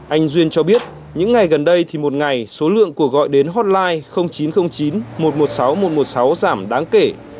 anh duyên cho biết những ngày gần đây thì một ngày số lượng cuộc gọi đến hotline chín trăm linh chín một trăm một mươi sáu một trăm một mươi sáu giảm đáng kể